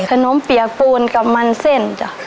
เปียกปูนกับมันเส้นจ้ะ